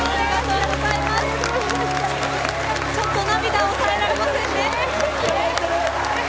ちょっと涙、抑えられませんね。